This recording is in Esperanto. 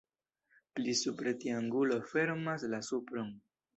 Pli supre triangulo fermas la supron.